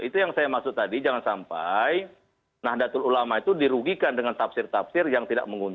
itu yang saya maksud tadi jangan sampai nah datul ulama itu dirugikan dengan tafsir tafsir yang tidak terlalu clear